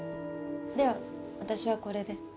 では私はこれで。